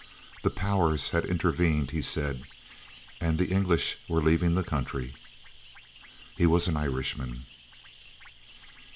The "Powers" had intervened, he said, and the English were leaving the country! He was an Irishman.